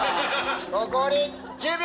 残り１０秒！